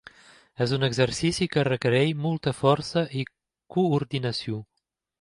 És un exercici que requereix molta força i coordinació.